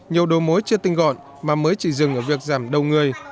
nhiều đồ mối chưa tinh gọn mà mới chỉ dừng ở việc giảm đầu người